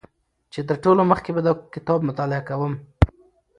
چې تر ټولو مخکې به دا کتاب مطالعه کوم